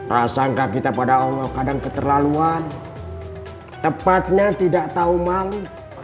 rasangka kita pada allah kadang keterlaluan tepatnya tidak tahu malu